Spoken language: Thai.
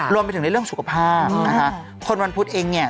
รวมไปถึงในเรื่องสุขภาพนะคะคนวันพุธเองเนี่ย